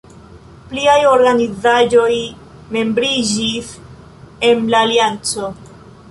Pliaj organizaĵoj membriĝis en la alianco.